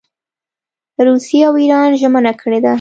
روسیې او اېران ژمنه کړې ده.